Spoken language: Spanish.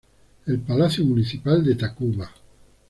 El palacio municipal de Tacuba.